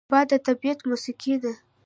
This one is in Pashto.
باد د طبیعت موسیقي ده